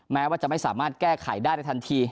แม้ว่าจะไม่สามารถแก้ไขได้ในทันที